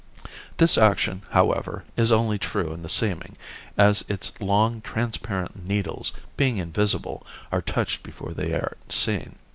This action, however, is only true in the seeming, as its long transparent needles, being invisible, are touched before they are seen.